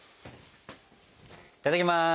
いただきます。